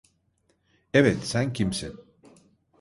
Evet, sen kimsin?